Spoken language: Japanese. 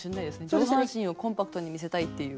上半身をコンパクトに見せたいっていう。